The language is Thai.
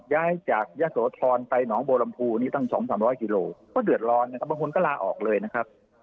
ย้ายจากยะโสธรไปหนองบัวลำพูนี่ตั้ง๒๓๐๐กิโลก็เดือดร้อนนะครับบางคนก็ลาออกเลยนะครับ